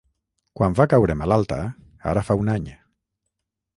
...quan va caure malalta, ara fa un any.